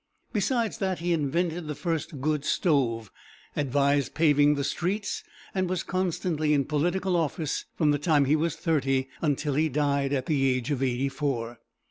Besides that, he invented the first good stove, advised paving the streets, and was constantly in political office from the time he was thirty until he died, at the age of eighty four.